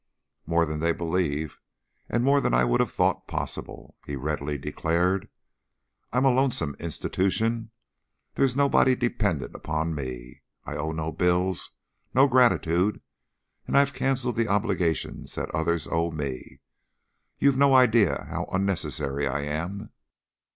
"More than they believe, and more than I would have thought possible," he readily declared. "I'm a lonesome institution. There's nobody dependent upon me; I owe no bills, no gratitude, and I've canceled the obligations that others owe me. You've no idea how unnecessary I am.